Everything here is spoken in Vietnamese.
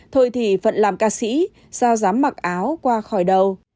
thôi thì phận làm ca sĩ sao dám mặc áo qua khỏi đầu